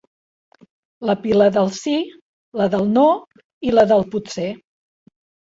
La pila del sí, la del no i la del potser.